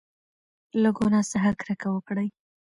له ګناه څخه کرکه وکړئ.